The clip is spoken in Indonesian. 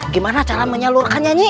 gimana cara menyalurkannya nyai